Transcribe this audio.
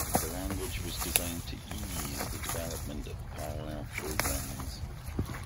The language was designed to "ease" the development of parallel programs.